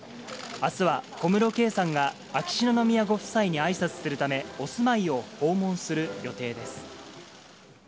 あすは小室圭さんが、秋篠宮ご夫妻にあいさつするため、お住まいを訪問する予定です。